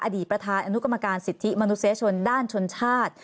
อดีตประธานอนุกรรมการสิทธิมนุษยชนด้านชนชาติ